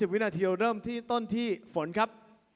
วินาทีเริ่มที่ต้นที่ฝนครับ